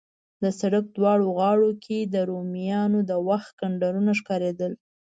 د سړک دواړو غاړو کې د رومیانو د وخت کنډرونه ښکارېدل.